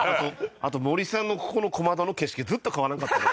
あと森さんのここの小窓の景色ずっと変わらんかったね。